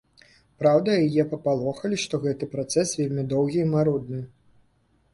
Праўда, яе папалохалі, што гэты працэс вельмі доўгі і марудны.